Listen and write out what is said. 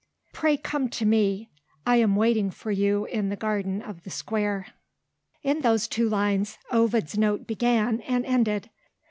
"Pray come to me; I am waiting for you in the garden of the Square." In those two lines, Ovid's note began and ended.